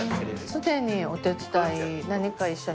常にお手伝い何か一緒に？